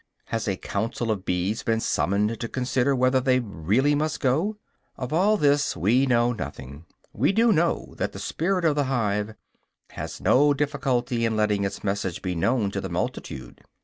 Has a council of bees been summoned to consider whether they really must go? Of all this we know nothing; we do know that the "spirit of the hive" has no difficulty in letting its message be known to the multitude.